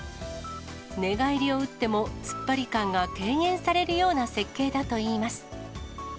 寝返りを打っても、突っ張り感が軽減されるような設計だといいます。